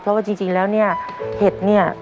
เพราะว่าจริงแล้วเนี่ยเห็ดเนี่ย